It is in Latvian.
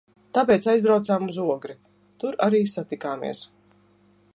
Tāpēc aizbraucām uz Ogri. Tur arī satikāmies.